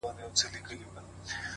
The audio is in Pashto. • خلک يو بل ملامتوي ډېر سخت,